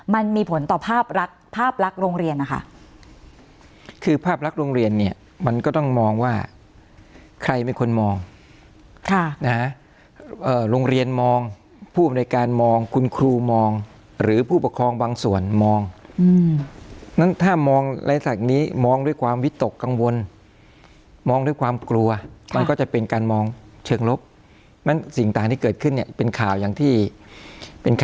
มันมีผลต่อภาพรักษ์ภาพรักษ์โรงเรียนนะคะคือภาพรักษ์โรงเรียนเนี่ยมันก็ต้องมองว่าใครไม่ควรมองค่ะนะฮะเอ่อโรงเรียนมองผู้บริการมองคุณครูมองหรือผู้ปกครองบางส่วนมองอืมนั้นถ้ามองอะไรสักนี้มองด้วยความวิตกกังวลมองด้วยความกลัวมันก็จะเป็นการมองเชิงลบมันสิ่งต่างที่เกิดขึ้น